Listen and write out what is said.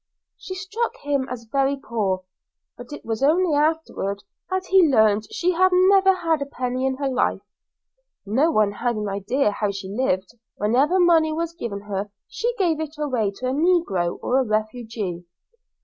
She struck him as very poor, but it was only afterward that he learned she had never had a penny in her life. No one had an idea how she lived; whenever money was given her she gave it away to a negro or a refugee.